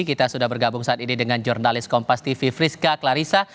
kita sudah bergabung saat ini dengan jurnalis kompas tv friska clarissa